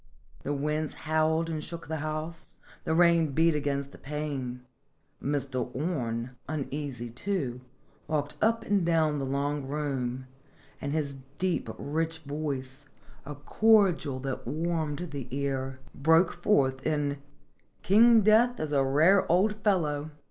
The winds howled and shook the house, the rain beat against the pane, Mr. Orne, uneasy, too, walked up and down the long room, and his deep, rich voice, a cordial that warmed the ear, broke forth in " King Death is a rare old fellow!"